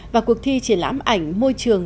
và cuộc thi triển lãm ảnh môi trường